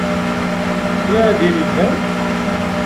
Kra din iban?